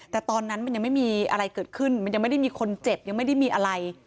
แต่ตอนนั้นมันยังไม่มีอะไรเกิดขึ้นมันยังไม่ได้มีคนเจ็บยังไม่ได้มีอะไร